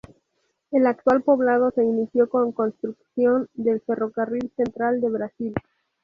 El actual poblado se inició con construcción del Ferrocarril Central del Brasil.